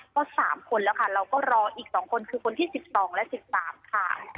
ก็๓คนแล้วค่ะเราก็รออีก๒คนคือคนที่๑๒และ๑๓ค่ะ